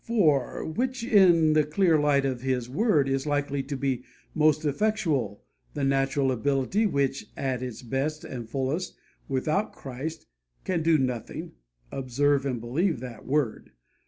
For which, in the clear light of His Word, is likely to be most effectual, the natural ability which at its best and fullest, without Christ, 'can do nothing' (observe and believe that word!)